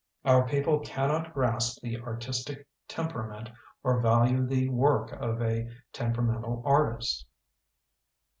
Our people cannot grasp the artistic temperament or value the work of a temperamental artist.